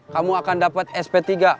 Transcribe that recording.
kamu akan dapat sp tiga